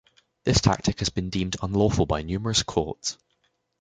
This tactic has been deemed unlawful by numerous courts.